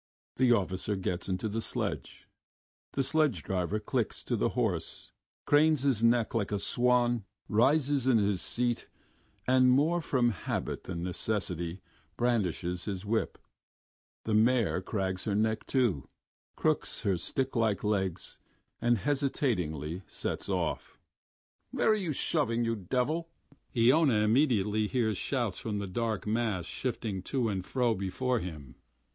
The officer gets into the sledge. The sledge driver clicks to the horse, cranes his neck like a swan, rises in his seat, and more from habit than necessity brandishes his whip. The mare cranes her neck, too, crooks her stick like legs, and hesitatingly sets of.... "Where are you shoving, you devil?" Iona immediately hears shouts from the dark mass shifting to and fro before him.